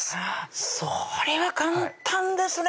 それは簡単ですね